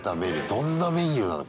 どんなメニューなの？